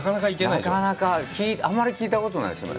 なかなか、あんまり聞いたことないですよ。